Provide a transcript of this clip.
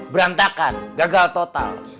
brantakan gagal total